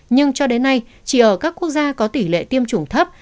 nhưng cho đến nay chỉ ở các quốc gia có tỷ lệ tiêm chủng thấp